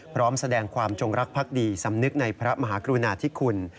พร้อมแสดงความจงรักภักดีสำนึกในพระมหากรุณาธิคุณ